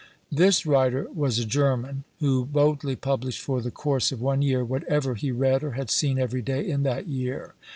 This writer was a German, who boldly published for the course of one year, whatever he read or had seen every day in that year.